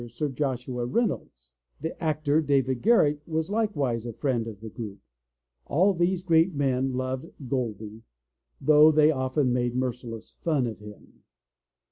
Sir Joshua Reynolds. The actor, David Garrick, was likewise a friend of the group. All these great men loved "Goldy,'* though they often made merciless fun of him.